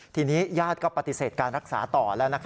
ทีนี้ญาติก็ปฏิเสธการรักษาต่อแล้ว